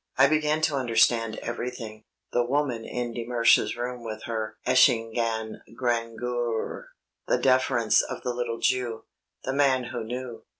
I began to understand everything; the woman in de Mersch's room with her "Eschingan Grangeur r r"; the deference of the little Jew the man who knew.